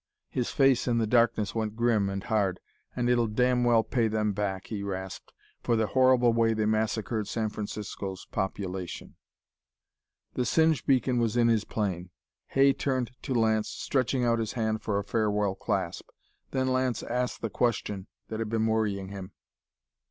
His face, in the darkness, went grim and hard. "And it'll damn well pay them back," he rasped, "for the horrible way they massacred San Francisco's population...." The Singe beacon was in his plane. Hay turned to Lance, stretching out his hand for a farewell clasp. Then Lance asked the question that had been worrying him.